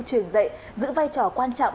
truyền dạy giữ vai trò quan trọng